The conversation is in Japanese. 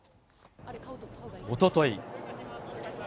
おととい。